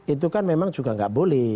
itu kan memang juga nggak boleh